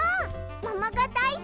ももがだいすき！